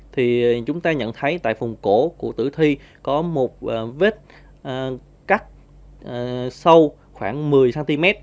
thì chúng ta nhận thấy tại phùng cổ của tử thi có một vết cắt sâu khoảng một mươi cm